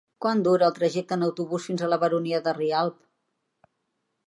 Quant dura el trajecte en autobús fins a la Baronia de Rialb?